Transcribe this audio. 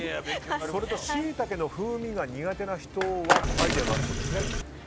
それとシイタケの風味が苦手な人はアイデアがあるそうですね。